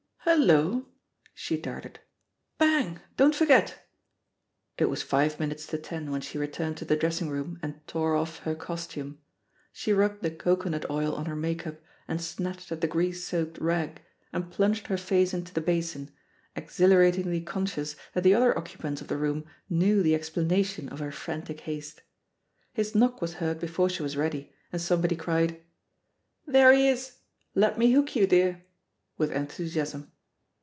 "Hullo !" She darted. "Bang — don't forget!'* It was five minutes to ten when she returned to the dressing room and tore off her costume. She rubbed the cocoa nut oil on her make up, and snatched at the grease soaked rag, and plunged her face into the basin, exhilaratingly conscious that the other occupants of the room knew the explanation of her frantic haste. His knock was heard before she was ready, and some body cried, "There he is, let me hook you, dearT* with enthusiasm.